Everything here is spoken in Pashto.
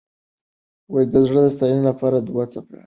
زړه د ستاینې لپاره دوه څپه ایز دی.